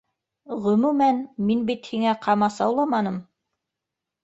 Ғөмүмән, мин бит һиңә ҡамасауламаным